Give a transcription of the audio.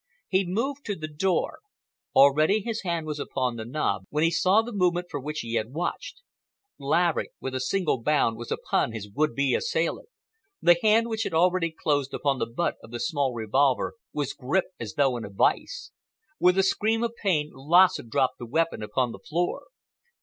He moved to the door. Already his hand was upon the knob when he saw the movement for which he had watched. Laverick, with a single bound, was upon his would be assailant. The hand which had already closed upon the butt of the small revolver was gripped as though in a vice. With a scream of pain Lassen dropped the weapon upon the floor.